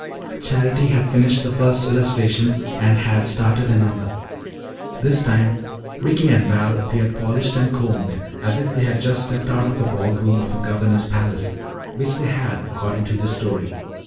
Charity had finished the first illustration and had started another. This time Ricky and Val appeared polished and combed as if they had just stepped out of a ball room of a governor's palace which they had, according to the story.